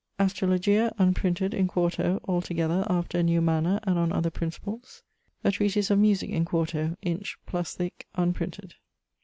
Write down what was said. Astrologia: unprinted: in 4to, altogether after a new manner and on other principles. _A treatise of musique_[AA], in 4to, inch + thick, unprinted.